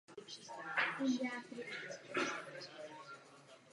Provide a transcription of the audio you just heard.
Na jeho existenci dnes upomíná název ulice "Ke Tvrzi".